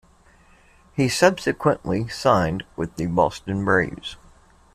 He subsequently signed with the Boston Braves.